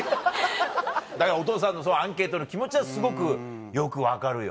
だからお父さんのアンケートの気持ちはすごくよく分かるよ。